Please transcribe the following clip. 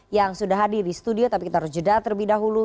yang sudah hadir di studio tapi kita harus jeda terlebih dahulu